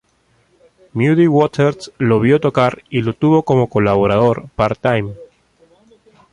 Muddy Waters lo vio tocar y lo tuvo como colaborador "part-time".